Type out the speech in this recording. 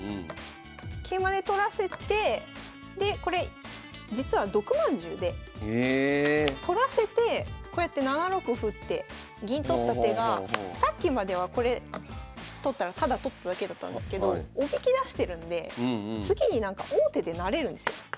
桂馬で取らせてでこれ実は毒まんじゅうで取らせてこうやって７六歩って銀取った手がさっきまではこれ取ったらただ取っただけだったんですけどおびき出してるんで次に王手で成れるんですよ。